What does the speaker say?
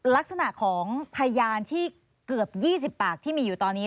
ลักษณะของพยานที่เกือบ๒๐ปากที่มีอยู่ตอนนี้